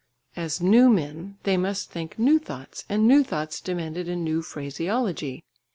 As new men, they must think new thoughts, and new thoughts demanded a new phraseology.